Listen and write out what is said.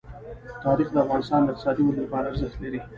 تاریخ د افغانستان د اقتصادي ودې لپاره ارزښت لري.